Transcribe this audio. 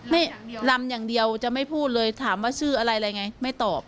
ไม่ลำอย่างเดียวจะไม่พูดเลยถามว่าชื่ออะไรอะไรไงไม่ตอบ